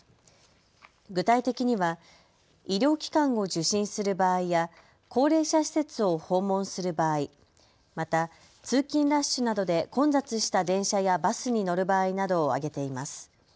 具体的には医療機関を受診する場合や高齢者施設を訪問する場合、また通勤ラッシュなどで混雑した電車やバスに乗る場合などを挙げています。